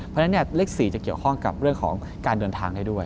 เพราะฉะนั้นเลข๔จะเกี่ยวข้องกับเรื่องของการเดินทางได้ด้วย